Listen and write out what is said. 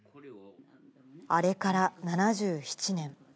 あれから７７年。